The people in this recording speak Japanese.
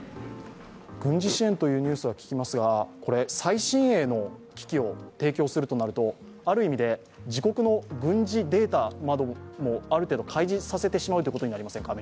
軍事支援というニュースは聞きますが、最新鋭の機器を提供するとなるとある意味で自国の軍事データなどもある程度開示してしまうことになりませんか？